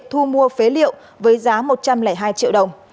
bộ tiệm thu mua phế liệu với giá một trăm linh hai triệu đồng